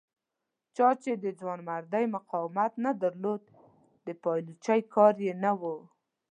چا چې د ځوانمردۍ مقاومت نه درلود د پایلوچۍ کار یې نه و.